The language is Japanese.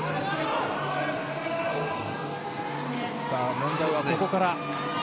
問題はここから。